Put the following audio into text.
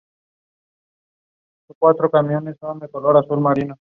La capital municipal es Puebla de San Julián.